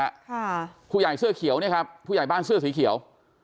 ค่ะผู้ใหญ่เสื้อเขียวเนี่ยครับผู้ใหญ่บ้านเสื้อสีเขียว